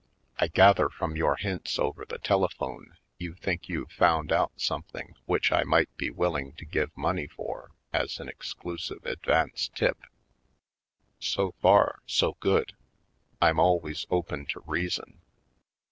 I gather from your hints over the telephone you think you've found out something vv^hich I might be willing to give money for, as an exclusive advance tip. So far, so good; I'm always open to reason.